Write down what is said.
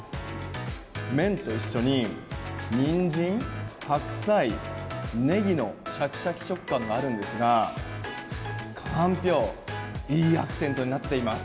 麺と一緒にニンジン、白菜、ネギのシャキシャキ食感があるんですがかんぴょう、いいアクセントになっています。